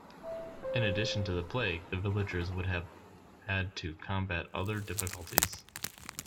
In addition to the plague, the villagers would have had to combat other difficulties.